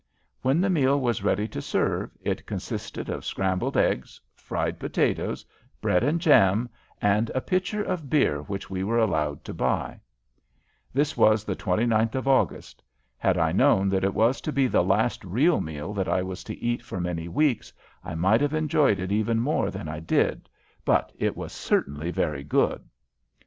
When the meal was ready to serve it consisted of scrambled eggs, fried potatoes, bread and jam, and a pitcher of beer which we were allowed to buy. That was the 29th of August. Had I known that it was to be the last real meal that I was to eat for many weeks I might have enjoyed it even more than I did, but it was certainly very good.